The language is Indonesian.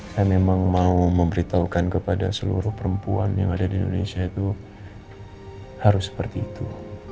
saya memang mau memberitahukan kepada seluruh perempuan yang ada di indonesia itu harus seperti itu